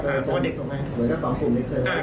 เหมือนกับ๒กลุ่มนี้เคยไหวบ้าง